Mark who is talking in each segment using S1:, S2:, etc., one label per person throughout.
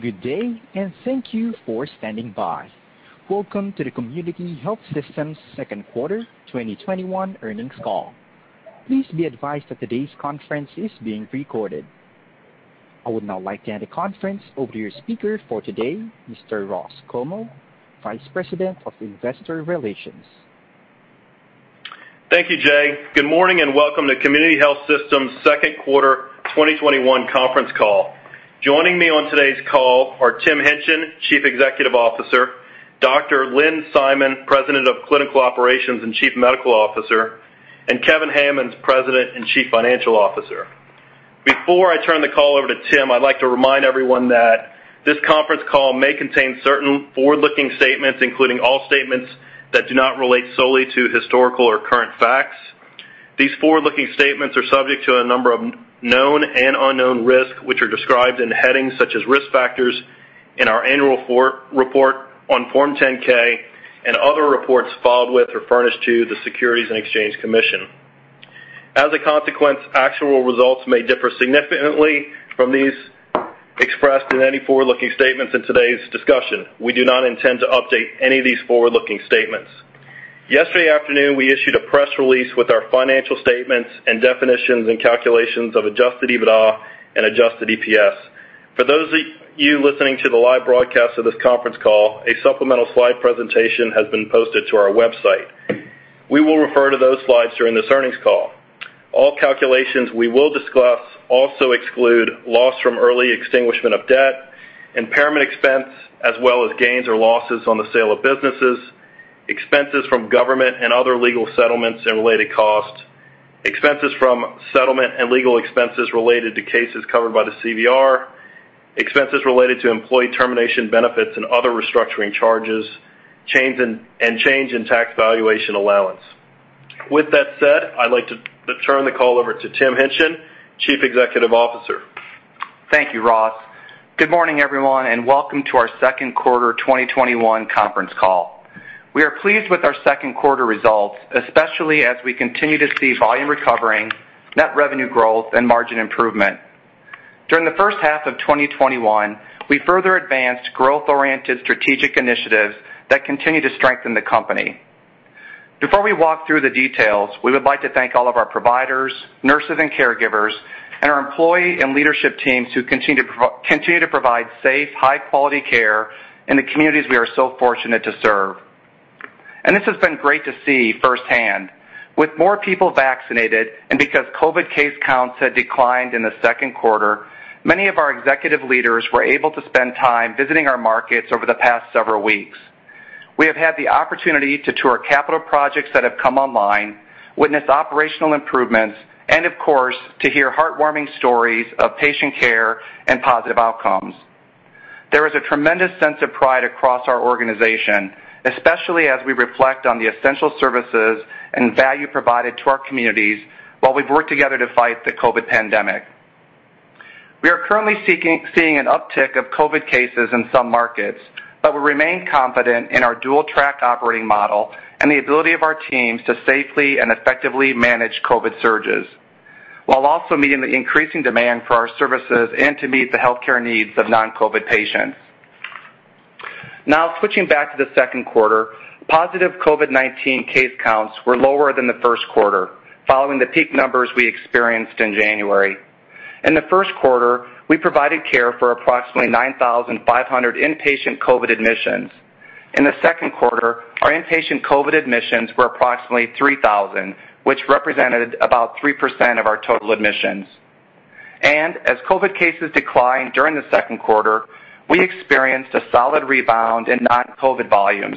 S1: Good day, and thank you for standing by. Welcome to the Community Health Systems second quarter 2021 earnings call. Please be advised that today's conference is being recorded. I would now like to hand the conference over to your speaker for today, Mr. Ross Comeaux, Vice President of Investor Relations.
S2: Thank you, Jay. Good morning and welcome to Community Health Systems second quarter 2021 conference call. Joining me on today's call are Tim Hingtgen, Chief Executive Officer, Dr. Lynn Simon, President of Clinical Operations and Chief Medical Officer, and Kevin Hammons, President and Chief Financial Officer. Before I turn the call over to Tim, I'd like to remind everyone that this conference call may contain certain forward-looking statements, including all statements that do not relate solely to historical or current facts. These forward-looking statements are subject to a number of known and unknown risks, which are described in headings such as Risk Factors in our annual report on Form 10-K and other reports filed with or furnished to the Securities and Exchange Commission. As a consequence, actual results may differ significantly from these expressed in any forward-looking statements in today's discussion. We do not intend to update any of these forward-looking statements. Yesterday afternoon, we issued a press release with our financial statements and definitions and calculations of Adjusted EBITDA and Adjusted EPS. For those of you listening to the live broadcast of this conference call, a supplemental slide presentation has been posted to our website. We will refer to those slides during this earnings call. All calculations we will discuss also exclude loss from early extinguishment of debt, impairment expense, as well as gains or losses on the sale of businesses, expenses from government and other legal settlements and related costs, expenses from settlement and legal expenses related to cases covered by the CVR, expenses related to employee termination benefits and other restructuring charges, and change in tax valuation allowance. With that said, I'd like to turn the call over to Tim Hingtgen, Chief Executive Officer.
S3: Thank you, Ross. Good morning, everyone, and welcome to our second quarter 2021 conference call. We are pleased with our second quarter results, especially as we continue to see volume recovering, net revenue growth, and margin improvement. During the first half of 2021, we further advanced growth-oriented strategic initiatives that continue to strengthen the company. Before we walk through the details, we would like to thank all of our providers, nurses, and caregivers, and our employee and leadership teams who continue to provide safe, high-quality care in the communities we are so fortunate to serve. This has been great to see firsthand. With more people vaccinated, and because COVID case counts had declined in the second quarter, many of our executive leaders were able to spend time visiting our markets over the past several weeks. We have had the opportunity to tour capital projects that have come online, witness operational improvements, and of course, to hear heartwarming stories of patient care and positive outcomes. There is a tremendous sense of pride across our organization, especially as we reflect on the essential services and value provided to our communities while we've worked together to fight the COVID pandemic. We are currently seeing an uptick of COVID cases in some markets, but we remain confident in our dual-track operating model and the ability of our teams to safely and effectively manage COVID surges, while also meeting the increasing demand for our services and to meet the healthcare needs of non-COVID patients. Now, switching back to the second quarter, positive COVID-19 case counts were lower than the first quarter, following the peak numbers we experienced in January. In the first quarter, we provided care for approximately 9,500 inpatient COVID admissions. In the second quarter, our inpatient COVID admissions were approximately 3,000, which represented about 3% of our total admissions. As COVID cases declined during the second quarter, we experienced a solid rebound in non-COVID volumes,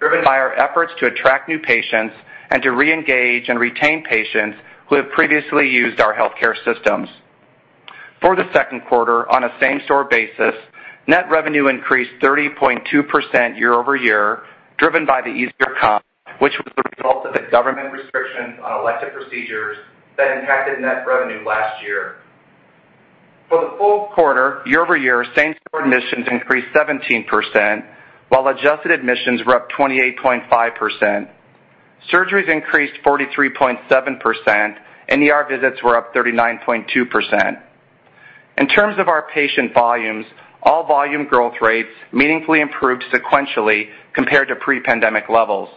S3: driven by our efforts to attract new patients and to reengage and retain patients who have previously used our healthcare systems. For the second quarter, on a same-store basis, net revenue increased 30.2% year-over-year, driven by the easier comp, which was the result of the government restrictions on elective procedures that impacted net revenue last year. For the full quarter, year-over-year, same-store admissions increased 17%, while adjusted admissions were up 28.5%. Surgeries increased 43.7%, and ER visits were up 39.2%. In terms of our patient volumes, all volume growth rates meaningfully improved sequentially compared to pre-pandemic levels.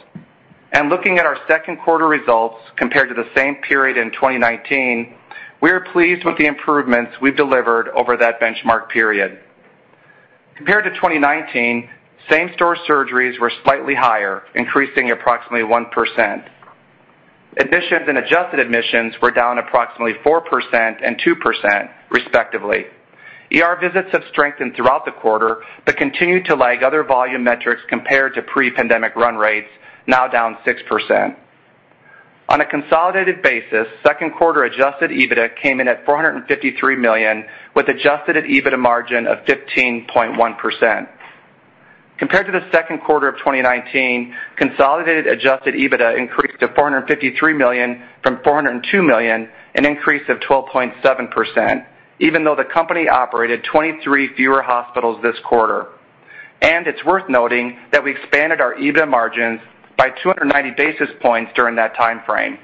S3: Looking at our second quarter results compared to the same period in 2019, we are pleased with the improvements we've delivered over that benchmark period. Compared to 2019, same-store surgeries were slightly higher, increasing approximately 1%. Admissions and adjusted admissions were down approximately 4% and 2%, respectively. ER visits have strengthened throughout the quarter, but continue to lag other volume metrics compared to pre-pandemic run rates, now down 6%. On a consolidated basis, second quarter Adjusted EBITDA came in at $453 million, with Adjusted EBITDA margin of 15.1%. Compared to the second quarter of 2019, consolidated Adjusted EBITDA increased to $453 million from $402 million, an increase of 12.7%, even though the company operated 23 fewer hospitals this quarter. It's worth noting that we expanded our EBITDA margins by 290 basis points during that time frame.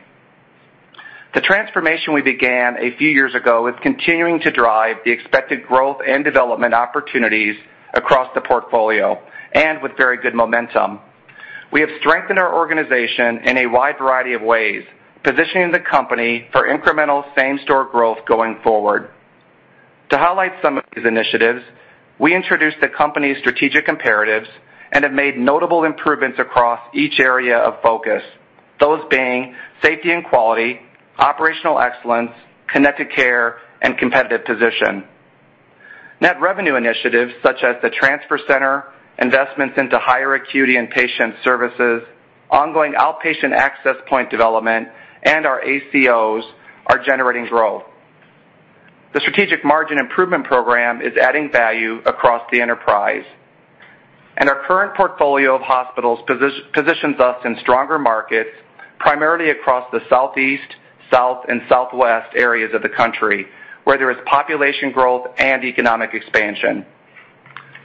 S3: The transformation we began a few years ago is continuing to drive the expected growth and development opportunities across the portfolio, and with very good momentum. We have strengthened our organization in a wide variety of ways, positioning the company for incremental same-store growth going forward. To highlight some of these initiatives, we introduced the company's strategic imperatives and have made notable improvements across each area of focus, those being safety and quality, operational excellence, connected care, and competitive position. Net revenue initiatives such as the transfer center, investments into higher acuity and patient services, ongoing outpatient access point development, and our ACOs are generating growth. The strategic margin improvement program is adding value across the enterprise. Our current portfolio of hospitals positions us in stronger markets, primarily across the Southeast, South, and Southwest areas of the country, where there is population growth and economic expansion.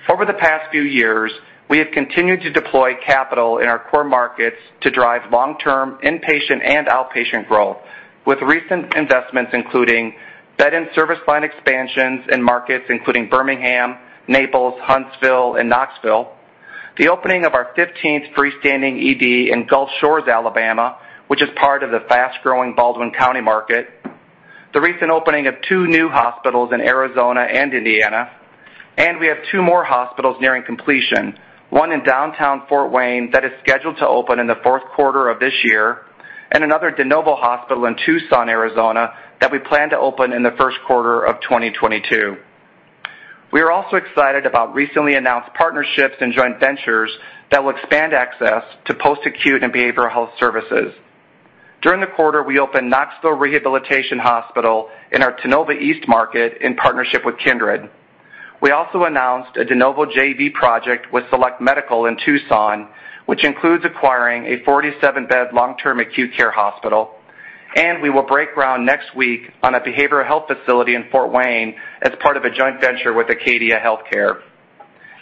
S3: Over the past few years, we have continued to deploy capital in our core markets to drive long-term inpatient and outpatient growth, with recent investments including bed and service line expansions in markets including Birmingham, Naples, Huntsville, and Knoxville, the opening of our 15th freestanding ED in Gulf Shores, Alabama, which is part of the fast-growing Baldwin County market, the recent opening of two new hospitals in Arizona and Indiana. We have two more hospitals nearing completion, one in downtown Fort Wayne that is scheduled to open in the fourth quarter of this year, and another de novo hospital in Tucson, Arizona, that we plan to open in the first quarter of 2022. We are also excited about recently announced partnerships and joint ventures that will expand access to post-acute and behavioral health services. During the quarter, we opened Knoxville Rehabilitation Hospital in our Tennova East market in partnership with Kindred. We also announced a de novo JV project with Select Medical in Tucson, which includes acquiring a 47-bed long-term acute care hospital. We will break ground next week on a behavioral health facility in Fort Wayne as part of a joint venture with Acadia Healthcare.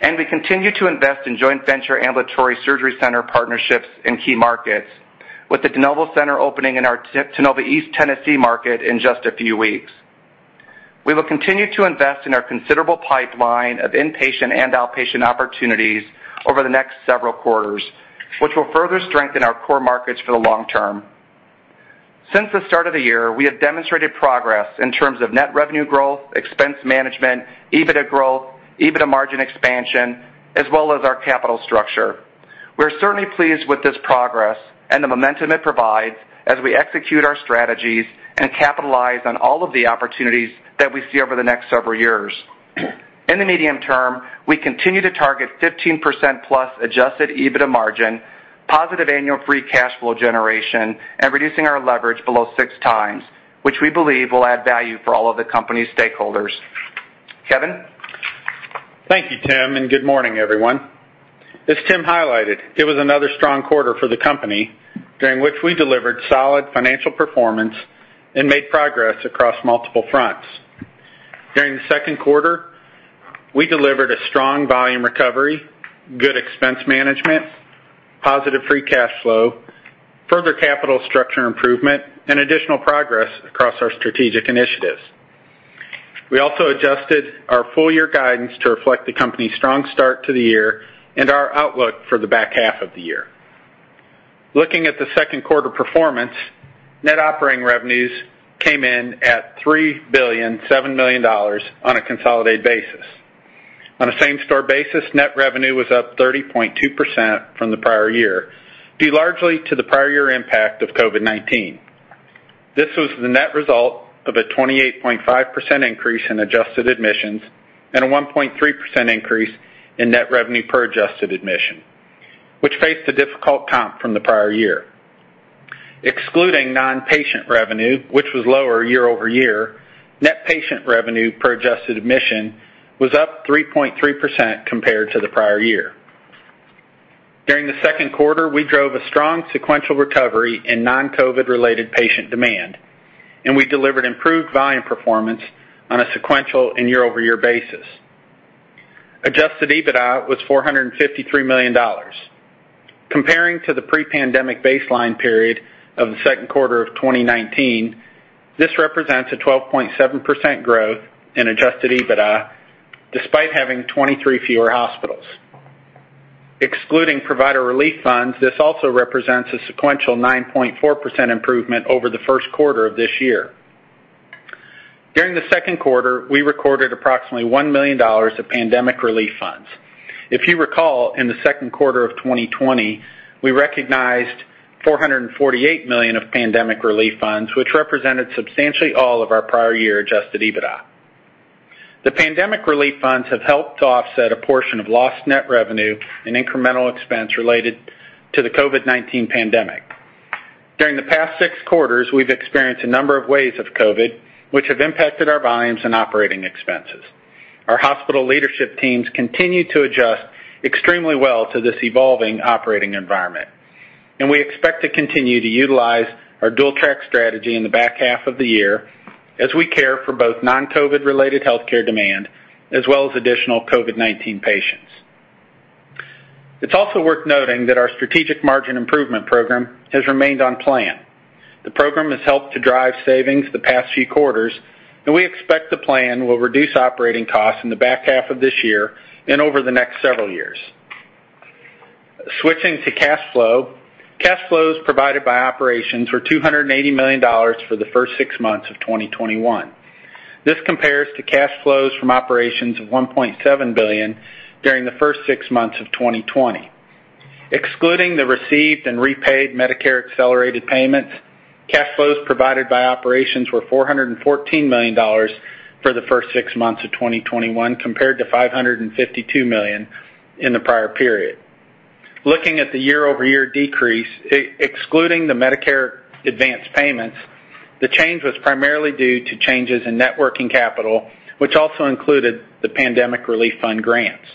S3: We continue to invest in joint venture ambulatory surgery center partnerships in key markets, with the de novo center opening in our Tennova East Tennessee market in just a few weeks. We will continue to invest in our considerable pipeline of inpatient and outpatient opportunities over the next several quarters, which will further strengthen our core markets for the long term. Since the start of the year, we have demonstrated progress in terms of net revenue growth, expense management, EBITDA growth, EBITDA margin expansion, as well as our capital structure. We're certainly pleased with this progress and the momentum it provides as we execute our strategies and capitalize on all of the opportunities that we see over the next several years. In the medium term, we continue to target 15%+ adjusted EBITDA margin, positive annual free cash flow generation, and reducing our leverage below 6x, which we believe will add value for all of the company stakeholders. Kevin?
S4: Thank you, Tim. Good morning, everyone. As Tim highlighted, it was another strong quarter for the company, during which we delivered solid financial performance and made progress across multiple fronts. During the second quarter, we delivered a strong volume recovery, good expense management, positive free cash flow, further capital structure improvement, and additional progress across our strategic initiatives. We also adjusted our full-year guidance to reflect the company's strong start to the year and our outlook for the back half of the year. Looking at the second quarter performance, net operating revenues came in at $3 billion, $7 million on a consolidated basis. On a same-store basis, net revenue was up 30.2% from the prior year, due largely to the prior year impact of COVID-19. This was the net result of a 28.5% increase in adjusted admissions and a 1.3% increase in net revenue per adjusted admission, which faced a difficult comp from the prior year. Excluding non-patient revenue, which was lower year-over-year, net patient revenue per adjusted admission was up 3.3% compared to the prior year. During the second quarter, we drove a strong sequential recovery in non-COVID-related patient demand, and we delivered improved volume performance on a sequential and year-over-year basis. Adjusted EBITDA was $453 million. Comparing to the pre-pandemic baseline period of the second quarter of 2019, this represents a 12.7% growth in Adjusted EBITDA, despite having 23 fewer hospitals. Excluding provider relief funds, this also represents a sequential 9.4% improvement over the first quarter of this year. During the second quarter, we recorded approximately $1 million of pandemic relief funds. If you recall, in the second quarter of 2020, we recognized $448 million of Pandemic Relief Funds, which represented substantially all of our prior year Adjusted EBITDA. The Pandemic Relief Funds have helped to offset a portion of lost net revenue and incremental expense related to the COVID-19 pandemic. During the past six quarters, we've experienced a number of waves of COVID, which have impacted our volumes and operating expenses. Our hospital leadership teams continue to adjust extremely well to this evolving operating environment. We expect to continue to utilize our dual-track strategy in the back half of the year as we care for both non-COVID-related healthcare demand, as well as additional COVID-19 patients. It's also worth noting that our strategic margin improvement program has remained on plan. The program has helped to drive savings the past few quarters, and we expect the plan will reduce operating costs in the back half of this year and over the next several years. Switching to cash flow, cash flows provided by operations were $280 million for the first six months of 2021. This compares to cash flows from operations of $1.7 billion during the first six months of 2020. Excluding the received and repaid Medicare accelerated payments, cash flows provided by operations were $414 million for the first six months of 2021 compared to $552 million in the prior period. Looking at the year-over-year decrease, excluding the Medicare advanced payments, the change was primarily due to changes in net working capital, which also included the Pandemic Relief Fund grants.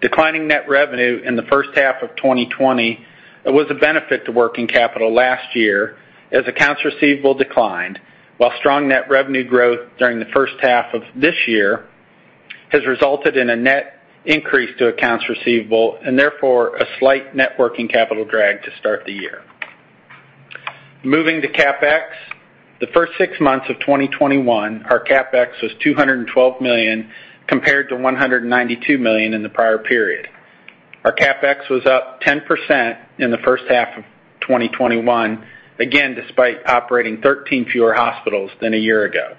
S4: Declining net revenue in the first half of 2020 was a benefit to working capital last year as accounts receivable declined, while strong net revenue growth during the first half of this year has resulted in a net increase to accounts receivable, and therefore, a slight net working capital drag to start the year. Moving to CapEx, the first six months of 2021, our CapEx was $212 million compared to $192 million in the prior period. Our CapEx was up 10% in the first half of 2021, again, despite operating 13 fewer hospitals than a year ago.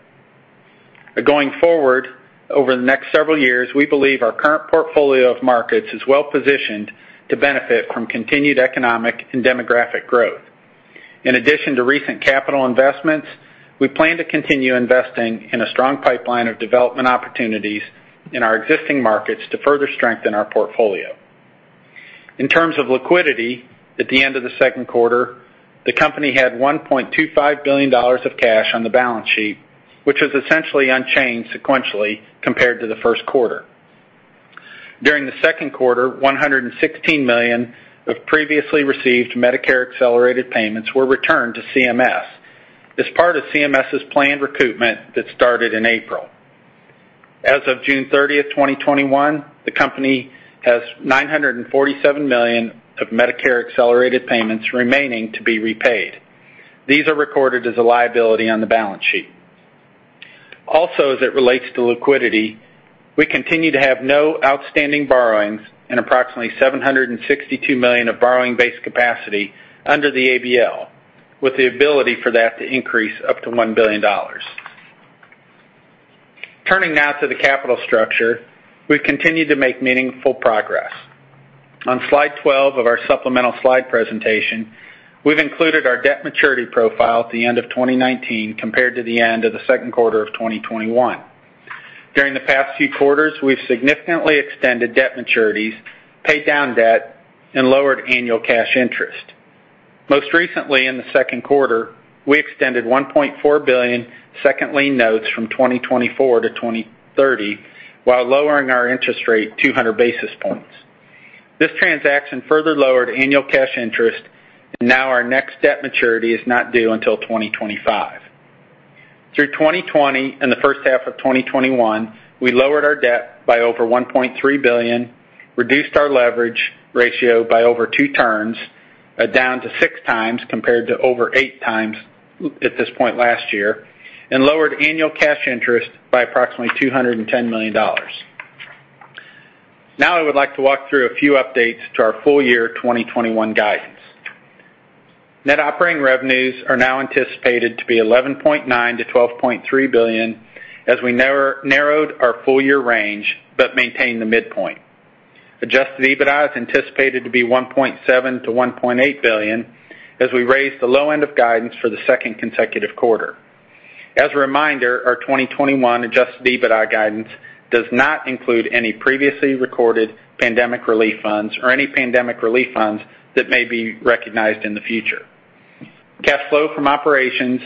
S4: Going forward, over the next several years, we believe our current portfolio of markets is well-positioned to benefit from continued economic and demographic growth. In addition to recent capital investments, we plan to continue investing in a strong pipeline of development opportunities in our existing markets to further strengthen our portfolio. In terms of liquidity, at the end of the second quarter, the company had $1.25 billion of cash on the balance sheet, which was essentially unchanged sequentially compared to the first quarter. During the second quarter, $116 million of previously received Medicare accelerated payments were returned to CMS as part of CMS's planned recoupment that started in April. As of June 30th, 2021, the company has $947 million of Medicare accelerated payments remaining to be repaid. These are recorded as a liability on the balance sheet. Also, as it relates to liquidity, we continue to have no outstanding borrowings and approximately $762 million of borrowing base capacity under the ABL, with the ability for that to increase up to $1 billion. Turning now to the capital structure, we've continued to make meaningful progress. On slide 12 of our supplemental slide presentation, we've included our debt maturity profile at the end of 2019 compared to the end of the second quarter of 2021. During the past few quarters, we've significantly extended debt maturities, paid down debt, and lowered annual cash interest. Most recently, in the second quarter, we extended $1.4 billion second lien notes from 2024 to 2030 while lowering our interest rate 200 basis points. This transaction further lowered annual cash interest. Now our next debt maturity is not due until 2025. Through 2020 and the first half of 2021, we lowered our debt by over $1.3 billion, reduced our leverage ratio by over two turns, down to 6x compared to over 8x at this point last year, and lowered annual cash interest by approximately $210 million. Now I would like to walk through a few updates to our full year 2021 guidance. Net operating revenues are now anticipated to be $11.9 billion-$12.3 billion as we narrowed our full year range but maintained the midpoint. Adjusted EBITDA is anticipated to be $1.7 billion-$1.8 billion as we raise the low end of guidance for the second consecutive quarter. As a reminder, our 2021 Adjusted EBITDA guidance does not include any previously recorded Pandemic Relief Funds or any Pandemic Relief Funds that may be recognized in the future. Cash flow from operations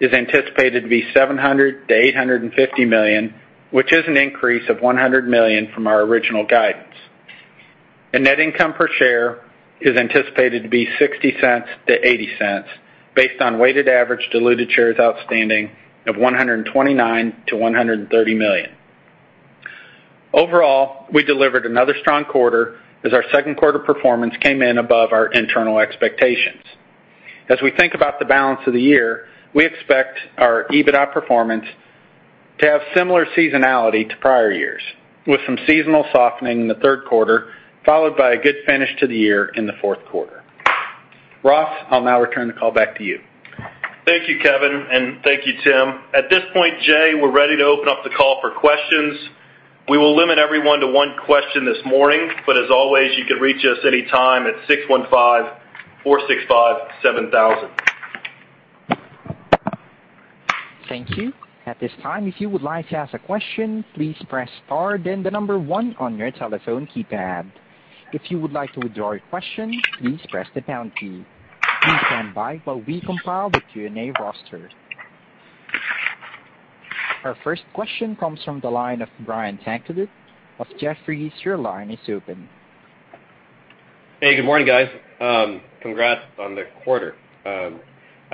S4: is anticipated to be $700 million-$850 million, which is an increase of $100 million from our original guidance. Net income per share is anticipated to be $0.60-$0.80 based on weighted average diluted shares outstanding of $129 million-$130 million. Overall, we delivered another strong quarter as our second quarter performance came in above our internal expectations. As we think about the balance of the year, we expect our EBITDA performance to have similar seasonality to prior years, with some seasonal softening in the third quarter, followed by a good finish to the year in the fourth quarter. Ross, I'll now return the call back to you.
S2: Thank you, Kevin, and thank you, Tim. At this point, Jay, we're ready to open up the call for questions. We will limit everyone to one question this morning, but as always, you can reach us any time at 615-465-7000.
S1: Thank you at this time if you would like to ask a question, please press star, then the number one on your telephone keypad. If you would like to withdraw your question, please press the pound key. Please stand by while we compile the Q&A roster. Our first question comes from the line of Brian Tanquilut of Jefferies. Your line is open.
S5: Hey, good morning, guys. Congrats on the quarter. I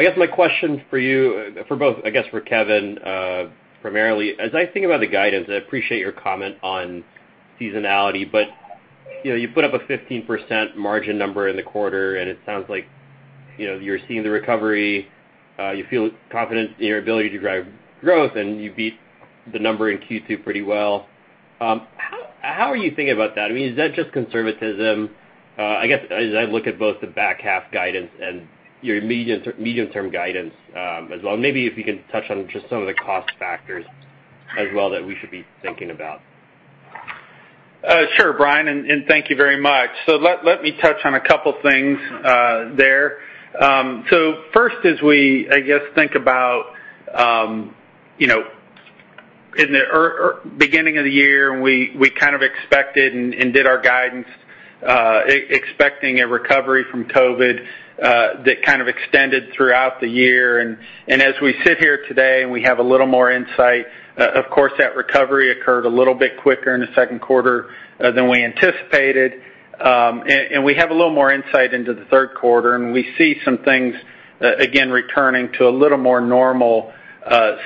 S5: guess my question for you, for both, I guess for Kevin, primarily, as I think about the guidance, I appreciate your comment on seasonality, but you put up a 15% margin number in the quarter, and it sounds like you're seeing the recovery, you feel confident in your ability to drive growth, and you beat the number in Q2 pretty well. How are you thinking about that? I mean, is that just conservatism? I guess as I look at both the back half guidance and your medium-term guidance as well, maybe if you could touch on just some of the cost factors as well that we should be thinking about.
S4: Sure, Brian, thank you very much. Let me touch on a couple things there. First, as we, I guess, think about in the beginning of the year, and we kind of expected and did our guidance, expecting a recovery from COVID, that kind of extended throughout the year. As we sit here today, and we have a little more insight, of course, that recovery occurred a little bit quicker in the second quarter than we anticipated. We have a little more insight into the third quarter, and we see some things, again, returning to a little more normal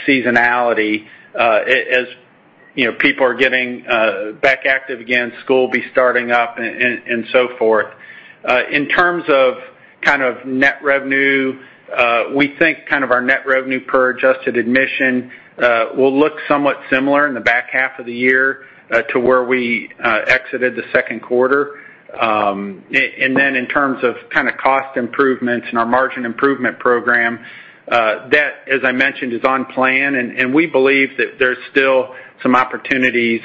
S4: seasonality as people are getting back active again, school will be starting up, and so forth. In terms of net revenue, we think our net revenue per adjusted admission will look somewhat similar in the back half of the year to where we exited the second quarter. In terms of cost improvements and our margin improvement program, that, as I mentioned, is on plan, and we believe that there's still some opportunities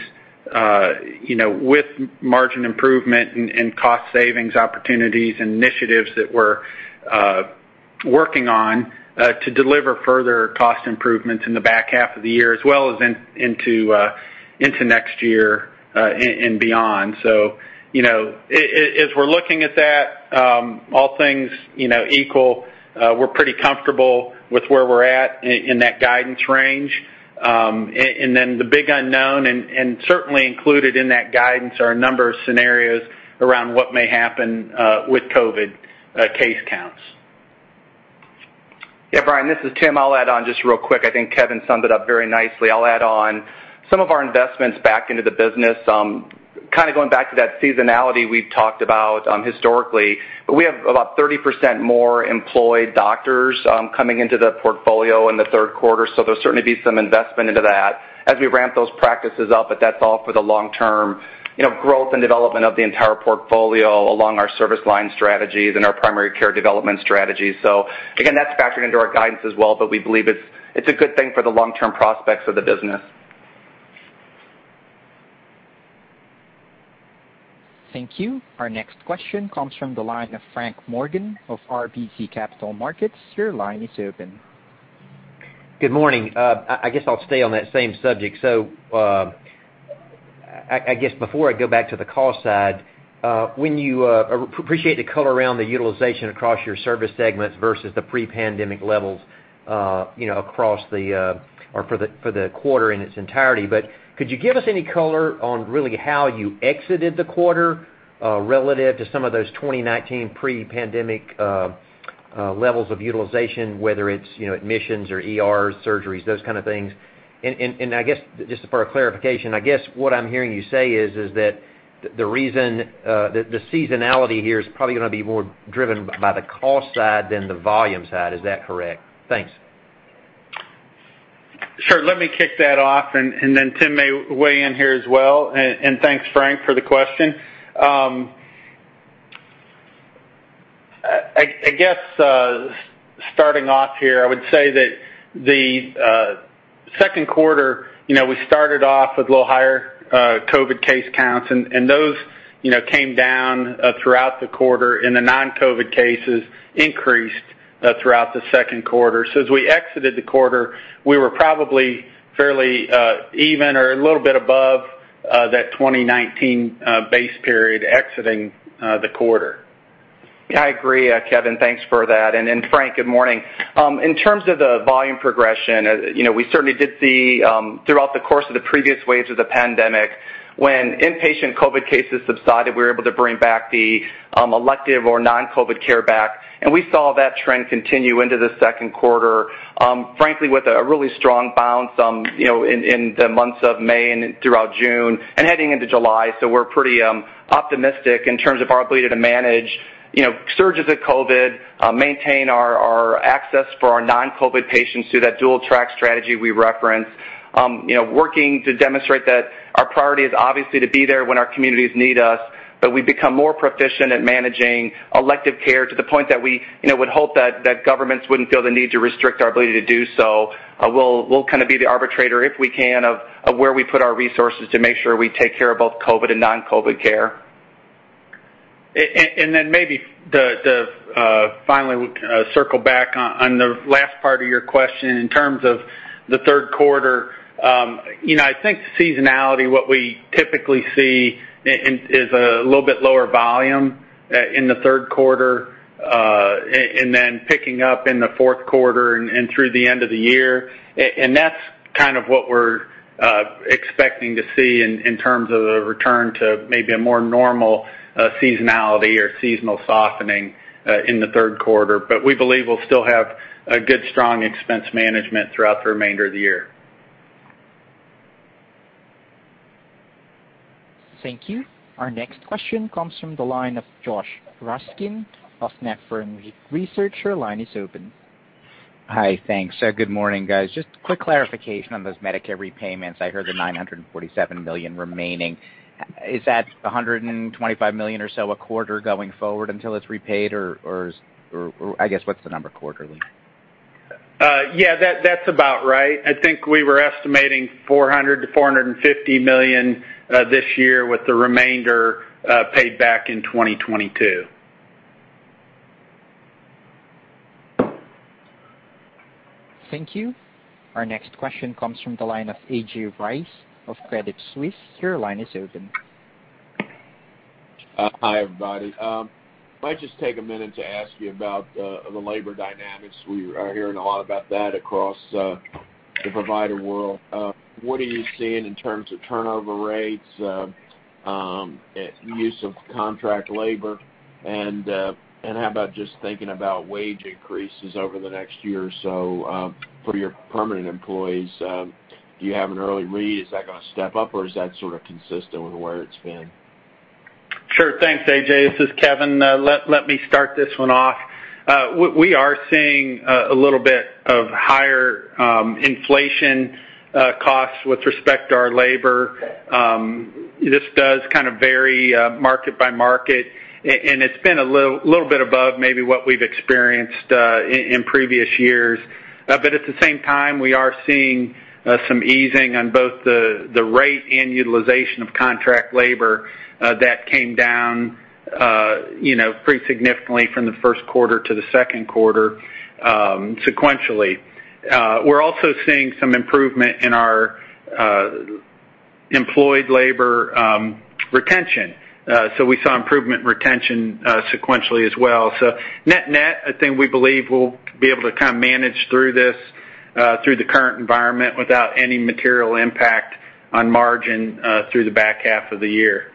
S4: with margin improvement and cost savings opportunities, initiatives that we're working on to deliver further cost improvements in the back half of the year as well as into next year and beyond. As we're looking at that, all things equal, we're pretty comfortable with where we're at in that guidance range. The big unknown and certainly included in that guidance are a number of scenarios around what may happen with COVID case counts.
S3: Yeah, Brian, this is Tim. I'll add on just real quick. I think Kevin summed it up very nicely. I'll add on some of our investments back into the business, kind of going back to that seasonality we've talked about historically. We have about 30% more employed doctors coming into the portfolio in the third quarter, so there'll certainly be some investment into that as we ramp those practices up, but that's all for the long-term growth and development of the entire portfolio along our service line strategies and our primary care development strategies. Again, that's factored into our guidance as well, but we believe it's a good thing for the long-term prospects of the business.
S1: Thank you. Our next question comes from the line of Frank Morgan of RBC Capital Markets. Your line is open.
S6: Good morning. I guess I'll stay on that same subject. I guess before I go back to the cost side, I appreciate the color around the utilization across your service segments versus the pre-pandemic levels for the quarter in its entirety, but could you give us any color on really how you exited the quarter relative to some of those 2019 pre-pandemic levels of utilization, whether it's admissions or ERs, surgeries, those kind of things? I guess, just for clarification, I guess what I'm hearing you say is that the seasonality here is probably going to be more driven by the cost side than the volume side. Is that correct? Thanks.
S4: Sure. Let me kick that off, and then Tim may weigh in here as well. Thanks, Frank, for the question. I guess, starting off here, I would say that the second quarter, we started off with a little higher COVID case counts, and those came down throughout the quarter, and the non-COVID cases increased throughout the second quarter. As we exited the quarter, we were probably fairly even or a little bit above that 2019 base period exiting the quarter.
S3: Yeah, I agree, Kevin. Thanks for that. Frank, good morning. In terms of the volume progression, we certainly did see, throughout the course of the previous waves of the pandemic, when inpatient COVID cases subsided, we were able to bring back the elective or non-COVID care back, and we saw that trend continue into the second quarter, frankly, with a really strong bounce in the months of May and throughout June and heading into July. We're pretty optimistic in terms of our ability to manage surges of COVID, maintain our access for our non-COVID patients through that dual-track strategy we reference. Working to demonstrate that our priority is obviously to be there when our communities need us, we've become more proficient at managing elective care to the point that we would hope that governments wouldn't feel the need to restrict our ability to do so. We'll kind of be the arbitrator, if we can, of where we put our resources to make sure we take care of both COVID and non-COVID care.
S4: Maybe to finally circle back on the last part of your question, in terms of the third quarter, I think seasonality, what we typically see is a little bit lower volume in the third quarter, then picking up in the fourth quarter and through the end of the year. That's kind of what we're expecting to see in terms of the return to maybe a more normal seasonality or seasonal softening in the third quarter. We believe we'll still have a good, strong expense management throughout the remainder of the year.
S1: Thank you. Our next question comes from the line of Josh Raskin of Nephron Research. Your line is open.
S7: Hi, thanks. Good morning, guys. Just quick clarification on those Medicare repayments. I heard the $947 million remaining. Is that $125 million or so a quarter going forward until it's repaid? Or I guess, what's the number quarterly?
S4: That's about right. I think we were estimating $400 million-$450 million this year, with the remainder paid back in 2022.
S1: Thank you. Our next question comes from the line of A.J. Rice of Credit Suisse. Your line is open.
S8: Hi, everybody. Might just take a minute to ask you about the labor dynamics. We are hearing a lot about that across the provider world. What are you seeing in terms of turnover rates, use of contract labor, and how about just thinking about wage increases over the next year or so for your permanent employees? Do you have an early read? Is that going to step up or is that sort of consistent with where it's been?
S4: Sure. Thanks, A.J. This is Kevin. Let me start this one off. We are seeing a little bit of higher inflation costs with respect to our labor. This does kind of vary market by market, and it's been a little bit above maybe what we've experienced in previous years. At the same time, we are seeing some easing on both the rate and utilization of contract labor. That came down pretty significantly from the first quarter to the second quarter, sequentially. We're also seeing some improvement in our employed labor retention. We saw improvement in retention sequentially as well. Net-net, I think we believe we'll be able to kind of manage through this, through the current environment without any material impact on margin through the back half of the year.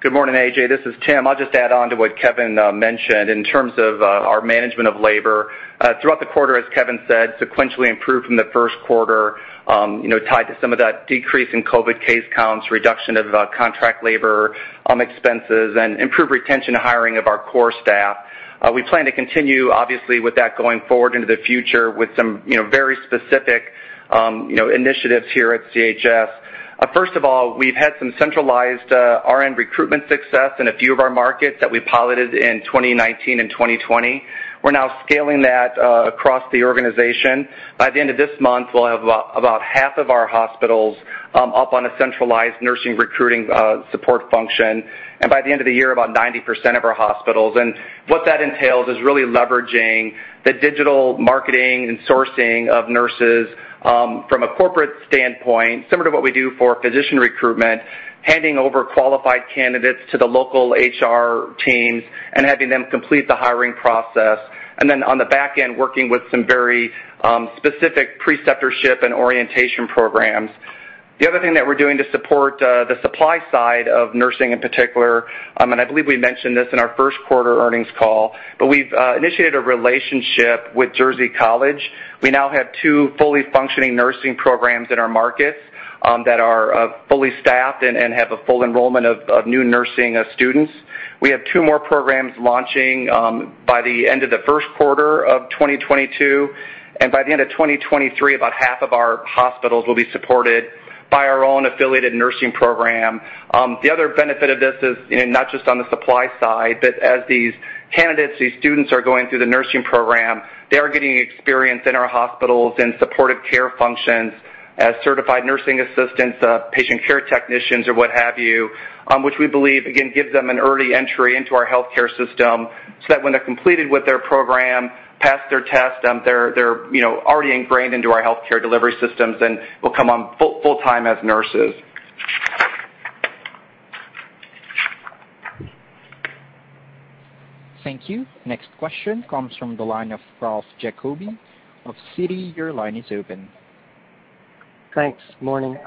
S3: Good morning, A.J. This is Tim. I'll just add on to what Kevin mentioned in terms of our management of labor. Throughout the quarter, as Kevin said, sequentially improved from the first quarter, tied to some of that decrease in COVID case counts, reduction of contract labor expenses, and improved retention hiring of our core staff. We plan to continue, obviously, with that going forward into the future with some very specific initiatives here at CHS. First of all, we've had some centralized RN recruitment success in a few of our markets that we piloted in 2019 and 2020. We're now scaling that across the organization. By the end of this month, we'll have about half of our hospitals up on a centralized nursing recruiting support function, and by the end of the year, about 90% of our hospitals. What that entails is really leveraging the digital marketing and sourcing of nurses from a corporate standpoint, similar to what we do for physician recruitment, handing over qualified candidates to the local HR teams and having them complete the hiring process. Then on the back end, working with some very specific preceptorship and orientation programs. The other thing that we're doing to support the supply side of nursing in particular, and I believe we mentioned this in our first quarter earnings call, but we've initiated a relationship with Jersey College. We now have two fully functioning nursing programs in our markets that are fully staffed and have a full enrollment of new nursing students. We have two more programs launching by the end of the first quarter of 2022, and by the end of 2023, about half of our hospitals will be supported by our own affiliated nursing program. The other benefit of this is not just on the supply side, but as these candidates, these students are going through the nursing program, they are getting experience in our hospitals in supportive care functions as certified nursing assistants, patient care technicians, or what have you, which we believe, again, gives them an early entry into our healthcare system, so that when they're completed with their program, passed their test, they're already ingrained into our healthcare delivery systems and will come on full-time as nurses.
S1: Thank you. Next question comes from the line of Ralph Giacobbe of Citi. Your line is open.
S9: Thanks. Morning.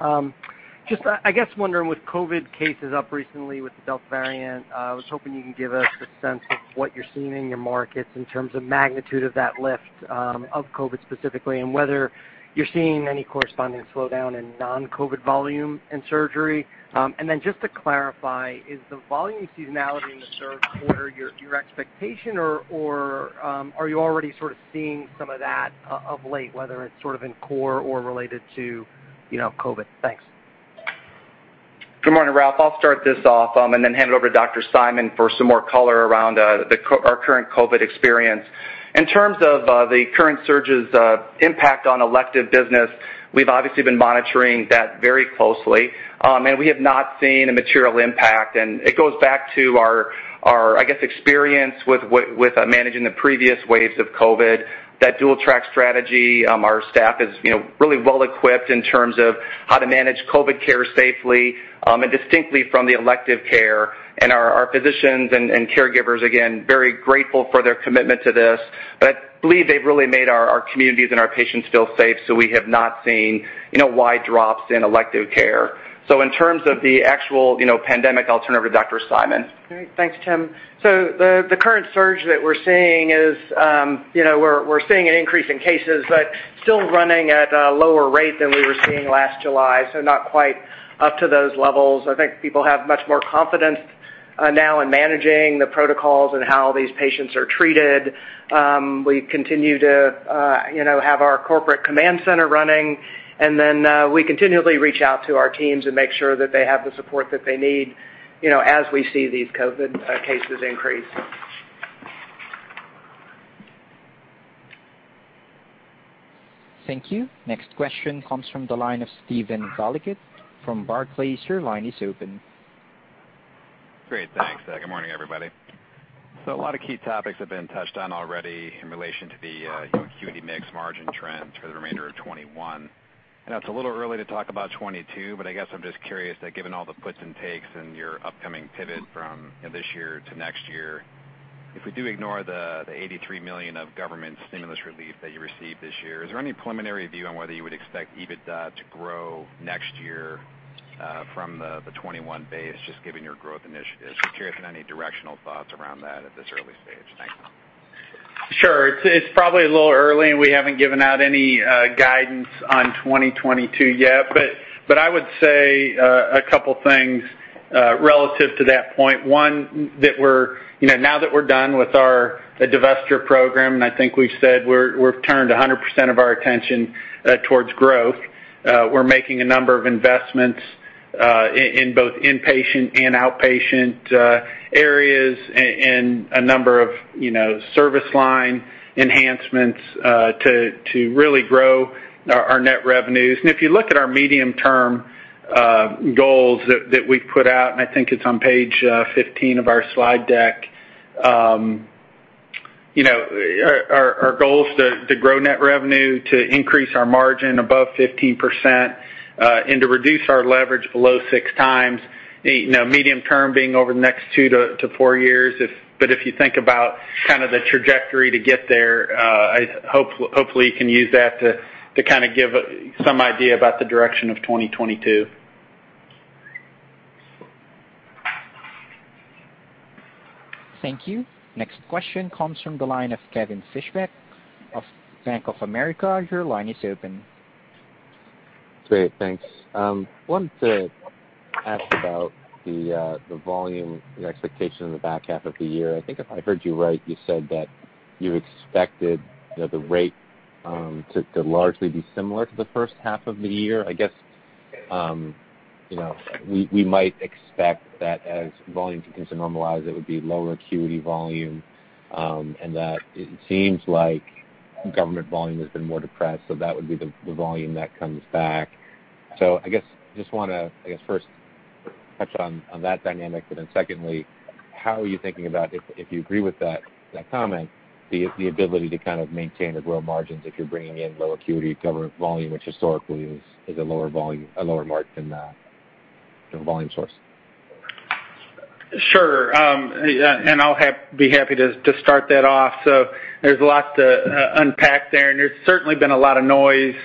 S9: Just, I guess wondering with COVID cases up recently with the Delta variant, I was hoping you can give us a sense of what you're seeing in your markets in terms of magnitude of that lift of COVID specifically, and whether you're seeing any corresponding slowdown in non-COVID volume and surgery? Then just to clarify, is the volume seasonality in the third quarter your expectation, or are you already sort of seeing some of that of late, whether it's sort of in core or related to COVID? Thanks.
S3: Good morning, Ralph. I'll start this off and then hand it over to Dr. Simon for some more color around our current COVID experience. In terms of the current surge's impact on elective business, we've obviously been monitoring that very closely. We have not seen a material impact. It goes back to our, I guess, experience with managing the previous waves of COVID. That dual-track strategy, our staff is really well-equipped in terms of how to manage COVID care safely and distinctly from the elective care, and our physicians and caregivers, again, very grateful for their commitment to this. I believe they've really made our communities and our patients feel safe, so we have not seen wide drops in elective care. In terms of the actual pandemic, I'll turn it over to Lynn Simon.
S10: Great. Thanks, Tim. The current surge that we're seeing is, we're seeing an increase in cases, but still running at a lower rate than we were seeing last July, so not quite up to those levels. I think people have much more confidence now in managing the protocols and how these patients are treated. We continue to have our corporate command center running, we continually reach out to our teams and make sure that they have the support that they need as we see these COVID cases increase.
S1: Thank you. Next question comes from the line of Steven Valiquette from Barclays. Your line is open.
S11: Great. Thanks. Good morning, everybody. A lot of key topics have been touched on already in relation to the acuity mix margin trends for the remainder of 2021. I know it's a little early to talk about 2022, but I guess I'm just curious that given all the puts and takes in your upcoming pivot from this year to next year, if we do ignore the $83 million of government stimulus relief that you received this year, is there any preliminary view on whether you would expect EBITDA to grow next year from the 2021 base, just given your growth initiatives? I'm curious on any directional thoughts around that at this early stage. Thanks.
S4: Sure. It's probably a little early, and we haven't given out any guidance on 2022 yet. I would say a couple things relative to that point. One, now that we're done with our divestiture program, and I think we've said we've turned 100% of our attention towards growth. We're making a number of investments, in both inpatient and outpatient areas and a number of service line enhancements to really grow our net revenues. If you look at our medium-term goals that we've put out, and I think it's on page 15 of our slide deck. Our goal is to grow net revenue, to increase our margin above 15%, and to reduce our leverage below 6x, medium-term being over the next two to four years. If you think about the trajectory to get there, hopefully you can use that to give some idea about the direction of 2022.
S1: Thank you. Next question comes from the line of Kevin Fischbeck of Bank of America. Your line is open.
S12: Great. Thanks. Wanted to ask about the volume, your expectation in the back half of the year. I think if I heard you right, you said that you expected the rate to largely be similar to the first half of the year. I guess, we might expect that as volume begins to normalize, it would be lower acuity volume, and that it seems like government volume has been more depressed, so that would be the volume that comes back. I guess just want to, I guess, first touch on that dynamic, but then secondly, how are you thinking about, if you agree with that comment, the ability to maintain or grow margins if you're bringing in lower acuity government volume, which historically is a lower margin volume source?
S4: Sure. I'll be happy to start that off. There's lots to unpack there, and there's certainly been a lot of noise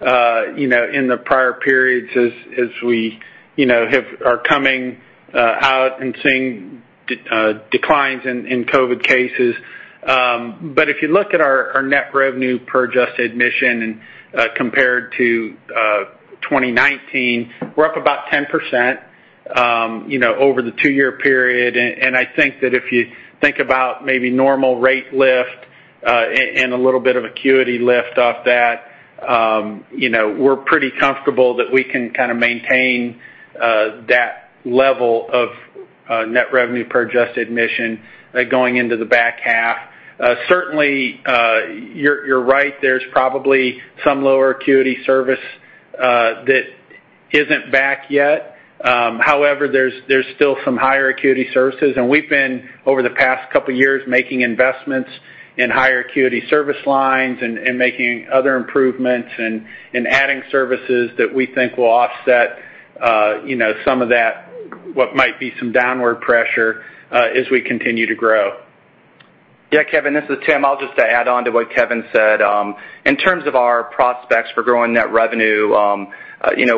S4: in the prior periods as we are coming out and seeing declines in COVID cases. If you look at our net revenue per adjusted admission compared to 2019, we're up about 10% over the two-year period, and I think that if you think about maybe normal rate lift, and a little bit of acuity lift off that, we're pretty comfortable that we can maintain that level of net revenue per adjusted admission going into the back half. Certainly, you're right, there's probably some lower acuity service that isn't back yet. There's still some higher acuity services, and we've been, over the past couple years, making investments in higher acuity service lines and making other improvements and adding services that we think will offset some of that, what might be some downward pressure, as we continue to grow.
S3: Kevin, this is Tim. I'll just add on to what Kevin said. In terms of our prospects for growing net revenue,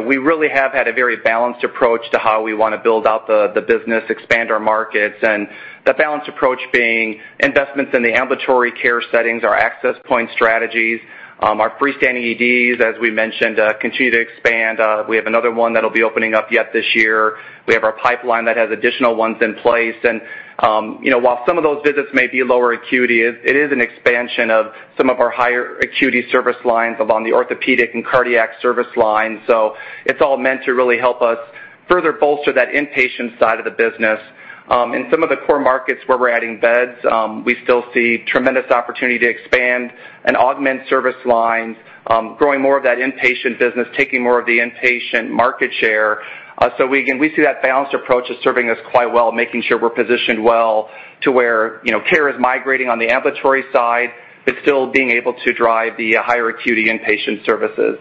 S3: we really have had a very balanced approach to how we want to build out the business, expand our markets, and that balanced approach being investments in the ambulatory care settings, our access point strategies, our freestanding EDs, as we mentioned, continue to expand. We have another one that'll be opening up yet this year. We have our pipeline that has additional ones in place. While some of those visits may be lower acuity, it is an expansion of some of our higher acuity service lines along the orthopedic and cardiac service lines. It's all meant to really help us further bolster that inpatient side of the business. In some of the core markets where we're adding beds, we still see tremendous opportunity to expand and augment service lines, growing more of that inpatient business, taking more of the inpatient market share. Again, we see that balanced approach as serving us quite well, making sure we're positioned well to where care is migrating on the ambulatory side, but still being able to drive the higher acuity inpatient services.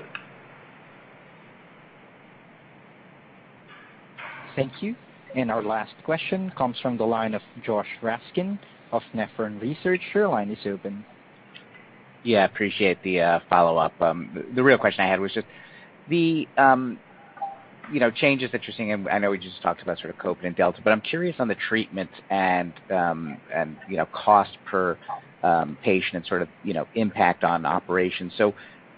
S1: Thank you. Our last question comes from the line of Josh Raskin of Nephron Research.
S7: Yeah, appreciate the follow-up. The real question I had was just the changes that you're seeing, I know we just talked about sort of COVID and Delta, but I'm curious on the treatment and cost per patient and sort of impact on operations.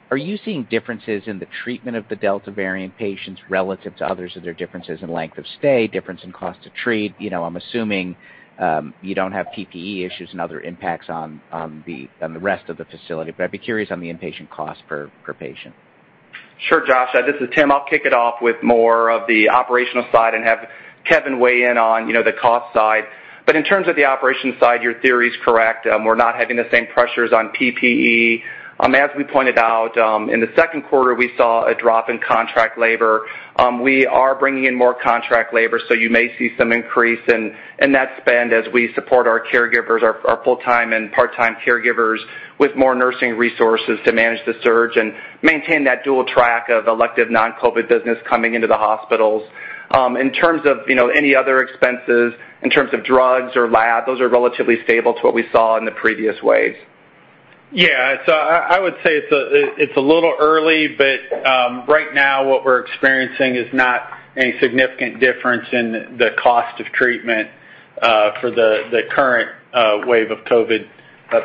S7: Are you seeing differences in the treatment of the Delta variant patients relative to others? Are there differences in length of stay, difference in cost to treat? I'm assuming you don't have PPE issues and other impacts on the rest of the facility, but I'd be curious on the inpatient cost per patient.
S3: Sure, Josh. This is Tim. I'll kick it off with more of the operational side and have Kevin weigh in on the cost side. In terms of the operation side, your theory's correct. We're not having the same pressures on PPE. As we pointed out, in the second quarter, we saw a drop in contract labor. We are bringing in more contract labor, so you may see some increase in that spend as we support our caregivers, our full-time and part-time caregivers, with more nursing resources to manage the surge and maintain that dual-track of elective non-COVID business coming into the hospitals. In terms of any other expenses, in terms of drugs or lab, those are relatively stable to what we saw in the previous waves.
S4: Yeah. I would say it's a little early, but right now what we're experiencing is not any significant difference in the cost of treatment for the current wave of COVID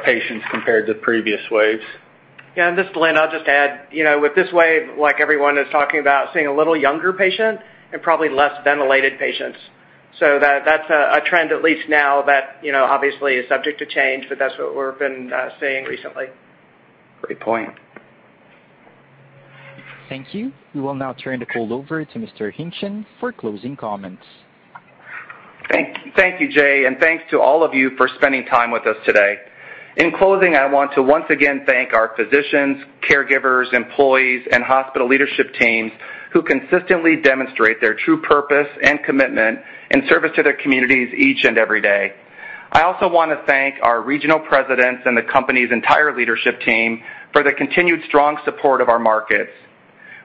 S4: patients compared to previous waves.
S10: This is Lynn. I'll just add, with this wave, like everyone is talking about, seeing a little younger patient and probably less ventilated patients. That's a trend, at least now, that obviously is subject to change, but that's what we've been seeing recently.
S7: Great point.
S1: Thank you. We will now turn the call over to Mr. Hingtgen for closing comments.
S3: Thank you, Jay, and thanks to all of you for spending time with us today. In closing, I want to once again thank our physicians, caregivers, employees, and hospital leadership teams who consistently demonstrate their true purpose and commitment in service to their communities each and every day. I also want to thank our regional presidents and the company's entire leadership team for the continued strong support of our markets.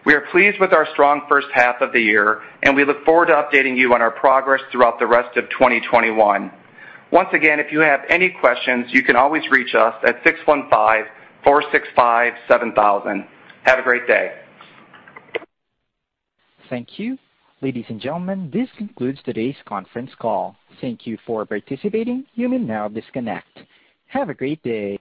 S3: We are pleased with our strong first half of the year, and we look forward to updating you on our progress throughout the rest of 2021. Once again, if you have any questions, you can always reach us at 615-465-7000. Have a great day.
S1: Thank you. Ladies and gentlemen, this concludes today's conference call. Thank you for participating. You may now disconnect. Have a great day.